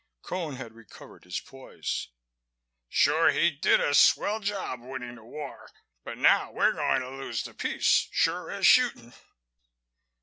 Cone had recovered his poise. "Sure he did a swell job winning the war, but now we're going to lose the peace, sure as shooting!"